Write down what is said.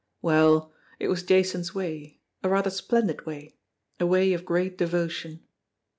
Well, it was Jason's way, a rather splendid way, a way of great devotion.